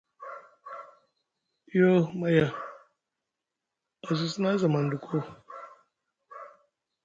Yoo maya a sosi na a zamaŋ ɗa ko.